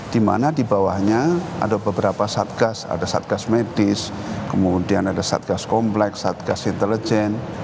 di mana di bawahnya ada beberapa satgas ada satgas medis kemudian ada satgas kompleks satgas intelijen